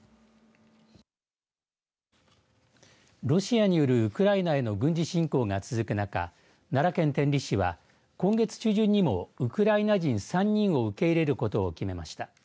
ロシアによるウクライナへの軍事侵攻が続く中、奈良県天理市は今月中旬にもウクライナ人３人を受け入れることを決めました。